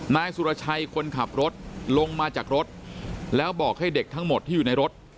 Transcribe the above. นายสุรชัยคนขับรถลงมาจากรถแล้วบอกให้เด็กทั้งหมดที่อยู่ในรถ